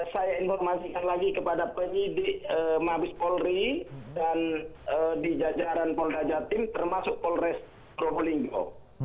saya informasikan lagi kepada penyidik mabuspolri dan di jajaran multajatin termasuk polres provolinggo